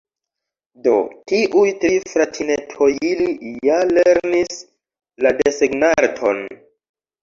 "Do, tiuj tri fratinetojili ja lernis la desegnarton"